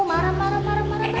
marah marah marah marah